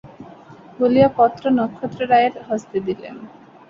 বলিয়া পত্র নক্ষত্ররায়ের হস্তে দিলেন।